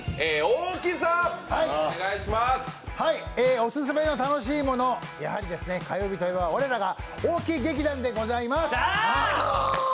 オススメの楽いもの、やはり火曜日といえば我らが大木劇団でございます。